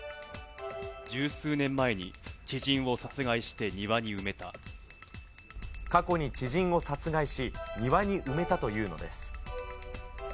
十数年前に知人を殺害して庭過去に知人を殺害し、庭に埋めたというのです。